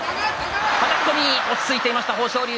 はたき込み、落ち着いていた、豊昇龍。